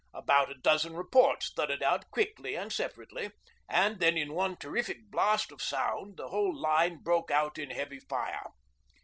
About a dozen reports thudded out quickly and separately, and then in one terrific blast of sound the whole line broke out in heavy fire.